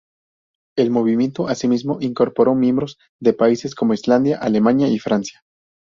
El movimiento asimismo incorporó miembros de países como Islandia, Alemania y Francia.